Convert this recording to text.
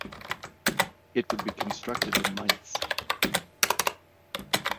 It would be constructed in Mainz.